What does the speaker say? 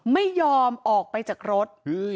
ไม่ยอมออกไปจากรถ